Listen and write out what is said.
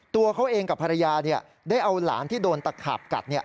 ตัวเขาเองกับภรรยาได้เอาหลานที่โดนตะขาบกัด